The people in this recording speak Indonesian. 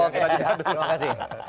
oke terima kasih